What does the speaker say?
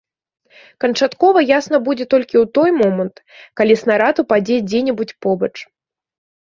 Канчаткова ясна будзе толькі ў той момант, калі снарад упадзе дзе-небудзь побач.